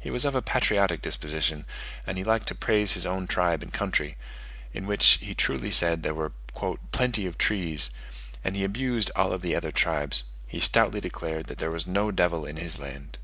He was of a patriotic disposition; and he liked to praise his own tribe and country, in which he truly said there were "plenty of trees," and he abused all the other tribes: he stoutly declared that there was no Devil in his land.